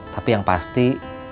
tapi yang pasti